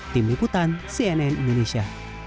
tim liputan cnn indonesia